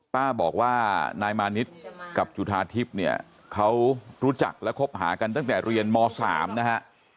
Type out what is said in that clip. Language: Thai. ป้าบอกว่านายมานิดกับจุธาทิพย์เนี่ยเขารู้จักและคบหากันตั้งแต่เรียนม๓นะฮะ